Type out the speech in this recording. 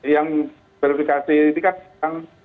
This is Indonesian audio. yang verifikasi ini kan soal dugaan